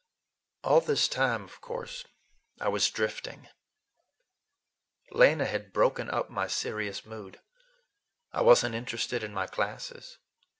All this time, of course, I was drifting. Lena had broken up my serious mood. I was n't interested in my classes.